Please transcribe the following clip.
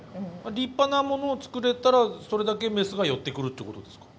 立派なものを作れたらそれだけメスが寄ってくるっていうことですか？